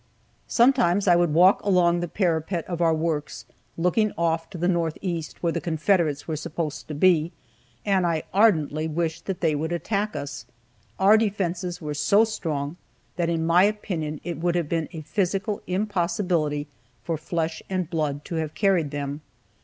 Sometimes I would walk along the parapet of our works, looking off to the northeast where the Confederates were supposed to be, and I ardently wished that they would attack us. Our defenses were so strong that in my opinion it would have been a physical impossibility for flesh and blood to have carried them.